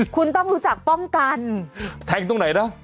คุณต้องรู้จักป้องกันแทงตรงไหนนะ